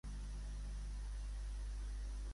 Els morts poden interactuar els uns amb els altres?